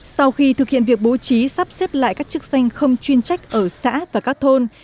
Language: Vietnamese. sau khi thực hiện việc bố trí sắp xếp lại các chức danh không chuyên trách ở xã và các thôn